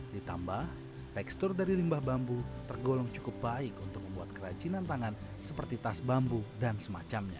ditambah tekstur dari limbah bambu tergolong cukup baik untuk membuat kerajinan tangan seperti tas bambu dan semacamnya